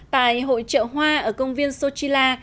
tại hội trợ hoa ở công viên xochila